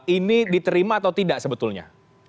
ini diterima atau tidak sebetulnya